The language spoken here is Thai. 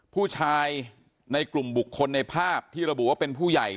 ผู้ชายในกลุ่มบุคคลในภาพที่ระบุว่าเป็นผู้ใหญ่